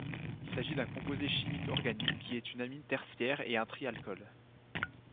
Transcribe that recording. Il s'agit d'un composé chimique organique qui est une amine tertiaire et un trialcool.